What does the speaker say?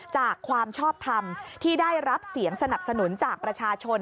ความชอบทำที่ได้รับเสียงสนับสนุนจากประชาชน